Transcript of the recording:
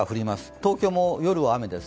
東京も夜は雨です。